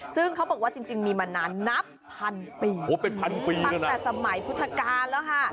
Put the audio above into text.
ซึ่งเขาบอกว่าจริงมีมานานนับพันปีโอ้เป็นพันปีตั้งแต่สมัยพุทธกาลแล้วค่ะ